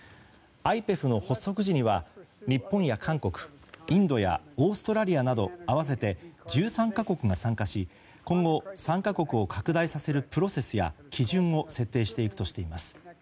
ＩＰＥＦの発足時には日本や韓国、インドやオーストラリアなど合わせて１３か国が参加し今後、３か国を拡大させるプロセスや基準を設定していくとしています。